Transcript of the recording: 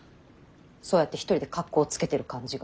そうやって一人で格好つけてる感じが。